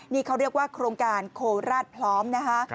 นี่เขาเรียกว่าโครงการโคราชพร้อมนะคะ